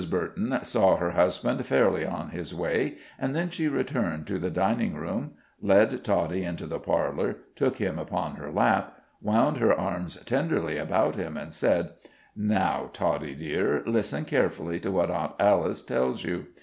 Burton saw her husband fairly on his way, and then she returned to the dining room, led Toddie into the parlor, took him upon her lap, wound her arms tenderly about him, and said: "Now, Toddie, dear, listen carefully to what Aunt Alice tells you.